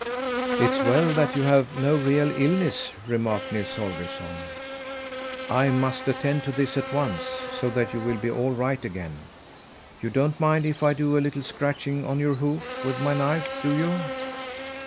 "It's well that you have no real illness," remarked Nils Holgersson. "I must attend to this at once, so that you will be all right again. You don't mind if I do a little scratching on your hoof with my knife, do you?"